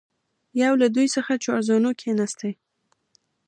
یو له دوی څخه چارزانو کښېنستی.